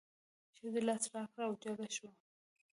ښځې لاس را کړ او جګه شوه.